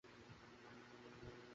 তিনি সর্বোত্তম ব্যক্তি ছিলেন।